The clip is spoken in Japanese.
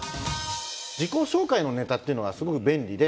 自己紹介のネタっていうのがすごく便利で。